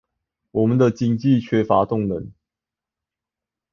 我們的經濟缺乏動能